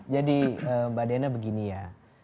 jadi mbak diana begini ya